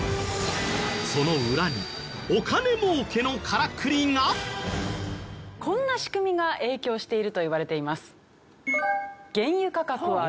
その裏にこんな仕組みが影響しているといわれています。